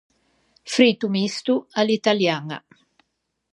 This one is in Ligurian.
Frito misto à l’italiaña.